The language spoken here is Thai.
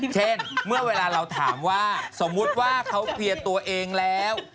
เช่นเมื่อเวลาเราถามว่าสมมุติว่าเขาเคลียร์ตัวเองแล้ว